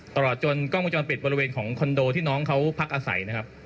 ตลอดจนกล้องวงจรปิดบริเวณของคอนโดที่น้องเขาพักอาศัยนะครับ